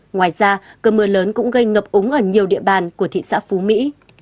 ngoài ra cơn mưa lớn cũng gây ngập úng ở nhiều địa bàn của thị xã phú mỹ